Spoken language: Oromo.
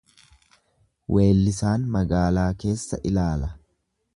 Weellisaan magaalaa keessa ilaala.